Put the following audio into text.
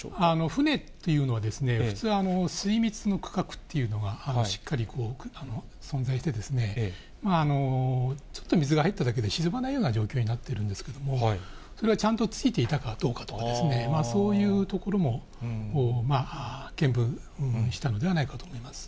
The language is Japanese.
船というのは、普通、水密の区画というのがしっかり存在して、ちょっと水が入っただけで沈まないような状況になっているんですけれども、それがちゃんとついていたかどうかとかですね、そういうところも見分したのではないかと思います。